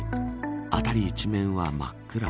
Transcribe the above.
辺り一面は真っ暗。